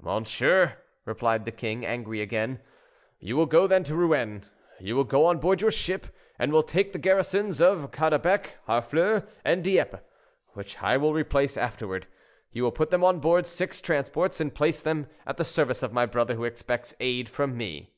"Monsieur," replied the king, angry again, "you will go then to Rouen; you will go on board your ship, and will take the garrisons of Caudebec, Harfleur, and Dieppe, which I will replace afterward. You will put them on board six transports, and place them at the service of my brother, who expects aid from me."